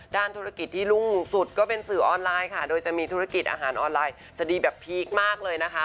ด้านธุรกิจที่รุ่งสุดก็เป็นสื่อออนไลน์ค่ะโดยจะมีธุรกิจอาหารออนไลน์จะดีแบบพีคมากเลยนะคะ